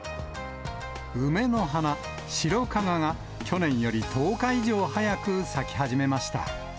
梅の花、白加賀が、去年より１０日以上早く咲き始めました。